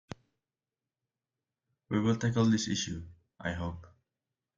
We will tackle this issue, I hope.